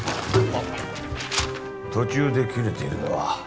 途中で切れているのは